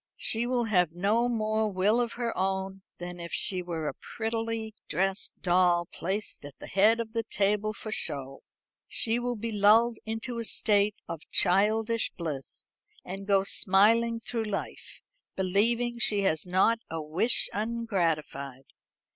She will have no more will of her own than if she were a prettily dressed doll placed at the head of the table for show. She will be lulled into a state of childish bliss, and go smiling through life, believing she has not a wish ungratified.